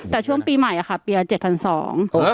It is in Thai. แต่ช่วงปีใหม่อะค่ะปีละเจ็ดพันสอง